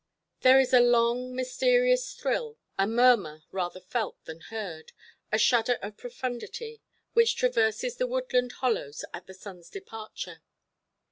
There is a long, mysterious thrill, a murmur rather felt than heard, a shudder of profundity, which traverses the woodland hollows at the sunʼs departure.